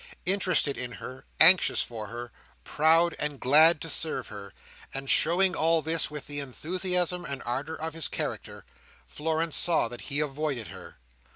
Interested in her, anxious for her, proud and glad to serve her, and showing all this with the enthusiasm and ardour of his character, Florence saw that he avoided her.